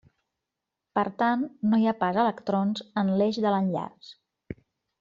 Per tant no hi ha pas electrons en l'eix de l'enllaç.